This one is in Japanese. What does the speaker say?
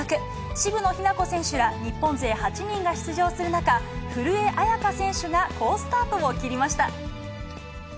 渋野日向子選手ら日本勢８人が出場する中、古江彩佳選手が好スタートを切りました。